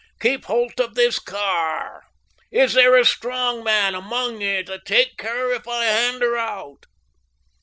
Keep holt of this car! Is there a strong man among ye to take her if I hand her out?"